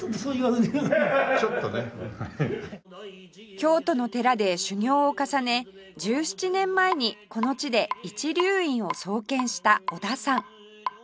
京都の寺で修行を重ね１７年前にこの地で一龍院を創建した小田さん